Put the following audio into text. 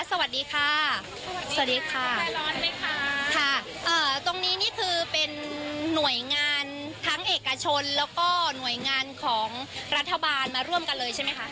สวัสดีค่ะสวัสดีค่ะใจร้อนไหมคะค่ะเอ่อตรงนี้นี่คือเป็นหน่วยงานทั้งเอกชนแล้วก็หน่วยงานของรัฐบาลมาร่วมกันเลยใช่ไหมคะ